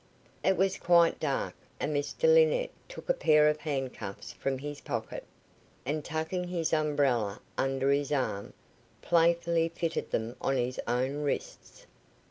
It was quite dark, and Mr Linnett took a pair of handcuffs from his pocket, and tucking his umbrella under his arm, playfully fitted them on his own wrists.